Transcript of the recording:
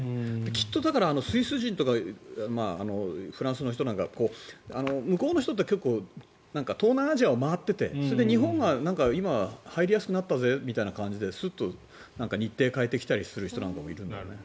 きっとだから、スイス人とかフランスの人なんかは向こうの人って結構、東南アジアを回っていてそれで日本が今入りやすくなったぜってことでスッと日程を変えてきたりする人なんかもいるんだよね。